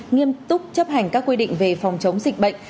nghiêm túc chấp hành các quy định về phòng chống dịch bệnh